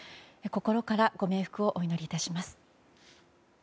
心からご冥福をお祈りいたします。